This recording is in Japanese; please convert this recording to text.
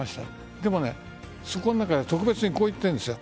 でも、そこの中に特別にこう言ってるんです。